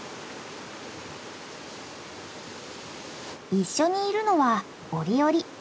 一緒にいるのはオリオリ。